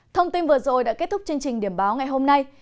thông tin vừa rồi đã kết thúc chương trình điểm báo ngày hôm nay